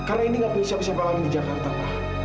karena indi tidak bisa bisa balik ke jakarta pak